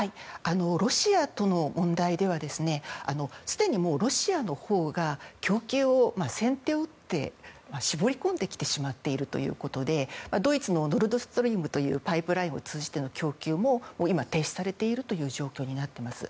ロシアとの問題ではすでにロシアのほうが供給を先手を打って絞り込んできてしまっているということでドイツのノルドストリームというパイプラインを通じての供給も今、停止されているという状況になっています。